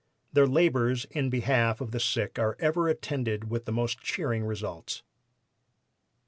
Their labors in behalf of the sick are ever attended with the most cheering results.